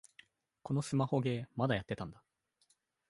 このスマホゲー、まだやってたんだ